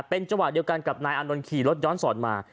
เป็นจังหวะเดียวกันกับนายอานนท์ขี่รถย้อนสอนมา